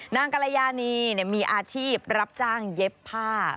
กรยานีมีอาชีพรับจ้างเย็บผ้า